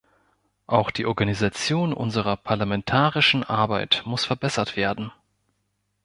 Auch die Organisation unserer parlamentarischen Arbeit muss verbessert werden.